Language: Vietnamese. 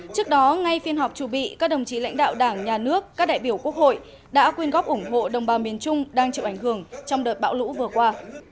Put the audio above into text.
trước đó ngay phiên họp chủ bị các đồng chí lãnh đạo đảng nhà nước các đại biểu quốc hội đã quyên góp ủng hộ đồng bào miền trung đang chịu ảnh hưởng trong đợt bão lũ vừa qua